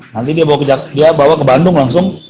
nanti dia bawa ke bandung langsung